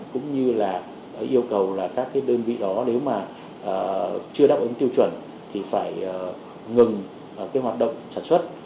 cũng như là yêu cầu là các cái đơn vị đó nếu mà chưa đáp ứng tiêu chuẩn thì phải ngừng cái hoạt động sản xuất